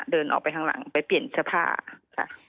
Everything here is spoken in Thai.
เดินออกไปข้างหลังไปเปลี่ยนเสื้อผ้าค่ะ